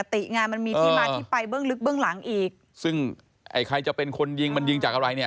แต่มันไม่ใช่แค่บ้านดาวงานกันตายปกติ